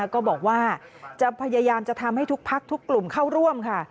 ก็บอกว่าจะพยายามจะทำให้ทุกพักทุกกลุ่มเข้าร่วมค่ะ